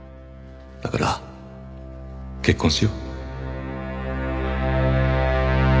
だから結婚しよう。